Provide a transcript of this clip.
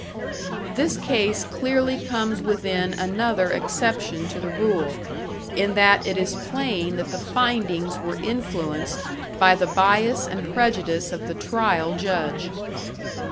"This case clearly comes within another exception to the rule, in that it is plain that the findings were influenced by the bias and prejudice of the trial judge.